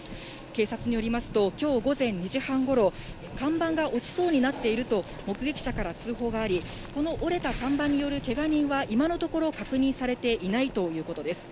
警察によりますと、きょう午前２時半ごろ、看板が落ちそうになっていると、目撃者から通報があり、この折れた看板によるけが人は今のところ確認されていないということです。